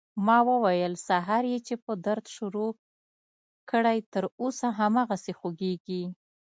ما وويل سهار يې چې په درد شروع کړى تر اوسه هماغسې خوږېږي.